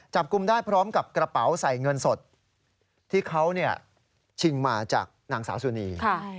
จับกลุ่มได้พร้อมกับกระเป๋าใส่เงินสดที่เขาชิงมาจากนางสาวสุนี